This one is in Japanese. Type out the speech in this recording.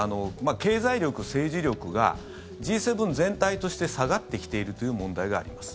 経済力、政治力がＧ７全体として下がってきているという問題があります。